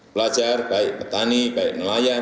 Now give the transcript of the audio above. pelajar baik petani baik nelayan